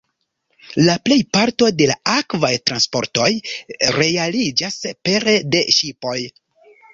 La plej parto de la akvaj transportoj realiĝas pere de ŝipoj.